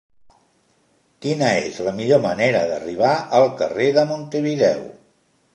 Quina és la millor manera d'arribar al carrer de Montevideo?